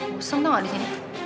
bosan tau gak di sini